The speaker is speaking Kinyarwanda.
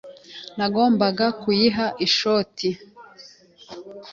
Nagombaga kuyiha ishoti.